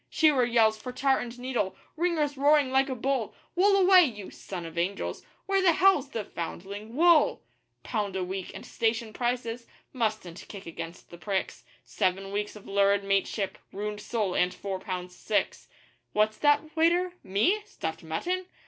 Shearer yells for tar and needle. Ringer's roaring like a bull: 'Wool away, you (son of angels). Where the hell's the (foundling) WOOL!!' Pound a week and station prices mustn't kick against the pricks Seven weeks of lurid mateship ruined soul and four pounds six. What's that? waiter? me? stuffed mutton!